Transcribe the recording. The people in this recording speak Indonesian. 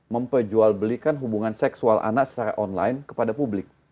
memperjualbelikan hubungan seksual anak secara online kepada publik